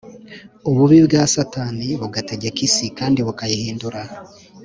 Ububi bwa Satani bugategeka isi kandi bukayihindura